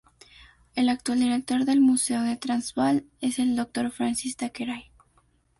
El actual director del Museo del Transvaal es el doctor Francis Thackeray.